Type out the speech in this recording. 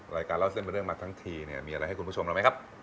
รายการเล่าเส้นเป็นเรื่องมาทั้งทีเนี่ยมีอะไรให้คุณผู้ชมเราไหมครับ